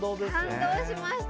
感動しました。